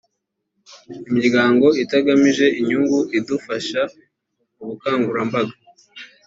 imiryango itagamije inyungu idufasha mu bukangurambaga